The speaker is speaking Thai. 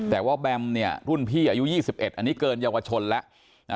แต่ว่าแบมเนี่ยรุ่นพี่อายุ๒๑อันนี้เกินเยาวชนแล้ว